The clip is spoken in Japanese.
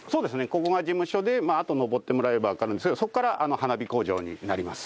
ここが事務所であと上ってもらえばわかるんですけどそこから花火工場になります。